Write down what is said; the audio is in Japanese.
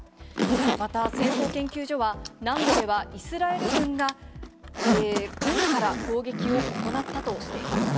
また戦争研究所は、南部ではイスラエル軍が海から攻撃を行ったとしています。